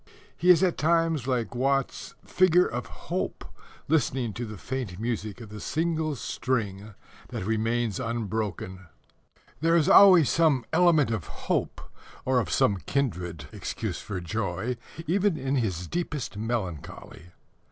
He is at times like Watts's figure of Hope listening to the faint music of the single string that remains unbroken. There is always some element of hope, or of some kindred excuse for joy, even in his deepest melancholy.